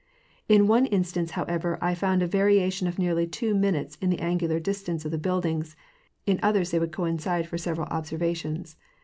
In one instance, however, I found a variation of nearly two minutes in the angular distance of the buildings; in others they would coincide for severa] observations.